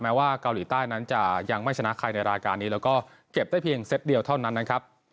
ว่าเกาหลีใต้นั้นจะยังไม่ชนะใครในรายการนี้แล้วก็เก็บได้เพียงเซตเดียวเท่านั้นนะครับ